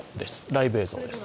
ライブ映像です。